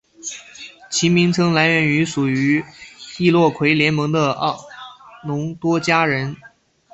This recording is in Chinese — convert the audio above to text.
其名称来源于属于易洛魁联盟的奥农多加人。